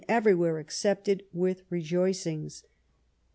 everywhere accepted with rejoicings.